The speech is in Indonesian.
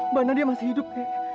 mbak nadia masih hidup kayak